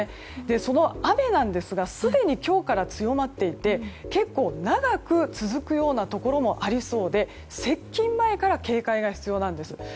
その雨ですがすでに今日から強まっていて結構、長く続くようなところもありそうで接近前から警戒が必要なんです。